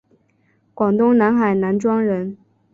广东南海南庄人。